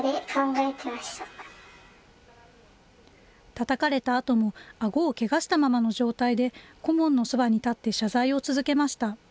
たたかれたあとも、あごをけがしたままの状態で、顧問のそばに立って謝罪を続けました。